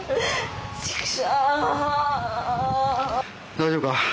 大丈夫か？